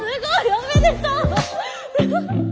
おめでとう！